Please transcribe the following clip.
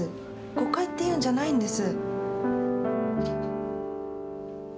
誤解っていうんじゃないんです。